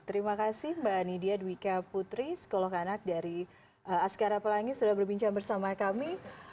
terima kasih mbak nidia dwiqa putri psikolog anak dari askara pelangi sudah berbincang bersama kami